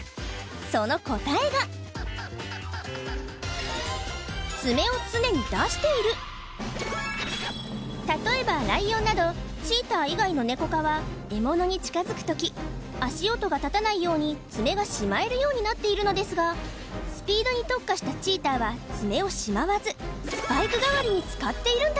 その答えが例えばライオンなどチーター以外のネコ科は獲物に近づく時足音が立たないように爪がしまえるようになっているのですがスピードに特化したチーターは爪をしまわずスパイク代わりに使っているんだ